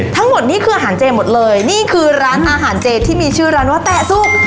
ทั้งหมดนี่คืออาหารเจหมดเลยนี่คือร้านอาหารเจที่มีชื่อร้านว่าแตะซุก